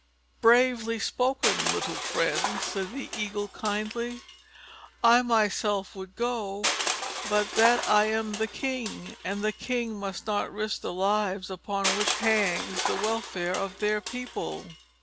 "Bravely spoken, little friend," said the Eagle kindly. "I myself would go but that I am the King, and kings must not risk the lives upon which hangs the welfare of their people.